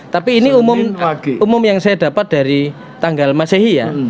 tapi ini umum yang saya dapat dari tanggal masehi ya